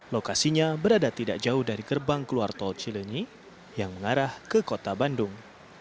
lokasinya berada tidak jauh dari gerbang keluar tol cilenyi yang mengarah ke kota bandung